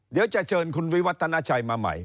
เดี๋ยวจะเชิญคุณวิวัฒนาชัยมาใหม่